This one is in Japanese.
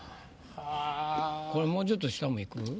あぁこれもうちょっと下もいく？